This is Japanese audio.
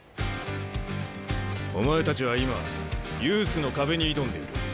お前たちは今ユースの壁に挑んでいる。